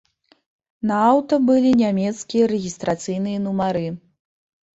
На аўта былі нямецкія рэгістрацыйныя нумары.